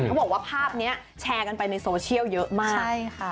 เขาบอกว่าภาพนี้แชร์กันไปในโซเชียลเยอะมากใช่ค่ะ